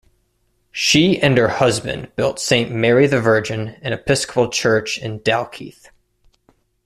She and her husband built Saint Mary the Virgin, an Episcopal church in Dalkeith.